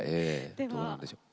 どうなんでしょう？